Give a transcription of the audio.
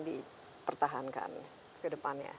dipertahankan ke depannya